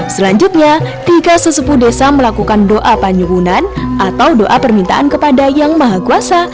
selanjutnya tiga sesepuh desa melakukan doa penyuhunan atau doa permintaan kepada yang maha kuasa